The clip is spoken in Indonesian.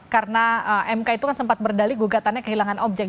karena mk itu kan sempat berdali gugatannya kehilangan objek